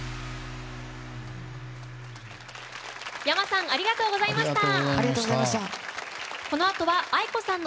ｙａｍａさんありがとうございました。